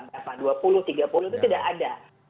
itu tidak ada